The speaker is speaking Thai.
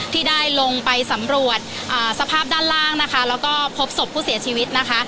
ที่ได้ลงไปสำรวจสภาพด้านล่างนะคะแล้วก็พบศพผู้เสียชีวิตนะคะ